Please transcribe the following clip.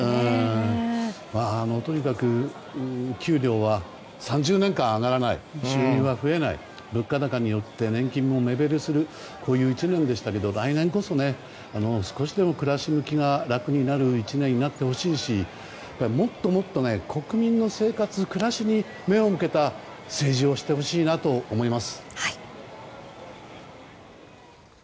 とにかく、給料は３０年間上がらない収入が増えない物価高によって年金も目減りするこういう１年でしたが来年こそね少しでも暮らし向きが楽になる１年になってほしいしもっともっと国民の生活暮らしに目を向けた政治をしてほしいなと思います。